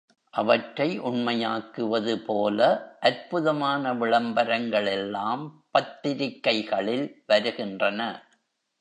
அவற்றை உண்மையாக்குவது போல, அற்புதமான விளம்பரங்கள் எல்லாம் பத்திரிக்கைகளில் வருகின்றன.